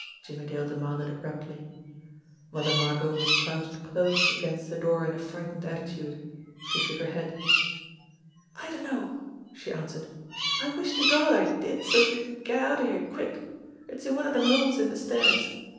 Jimmie Dale demanded abruptly. Mother Margot was crouched close against the door in a frightened attitude. She shook her head. "I dunno," she answered. "I wish to Gawd I did, so's we could get outer here quick. It's in one of dem holes in de stairs.